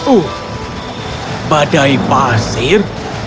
oh badai pasir